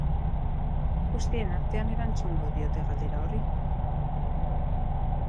Guztien artean erantzungo diote galdera horri.